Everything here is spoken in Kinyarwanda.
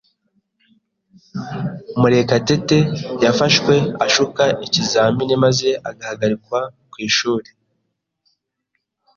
Murekatete yafashwe ashuka ikizamini maze ahagarikwa ku ishuri.